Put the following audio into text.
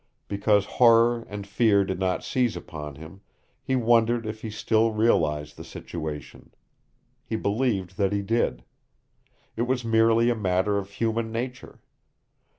Because horror and fear did not seize upon him, he wondered if he still realized the situation. He believed that he did. It was merely a matter of human nature.